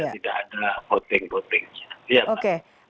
sehingga tidak ada voting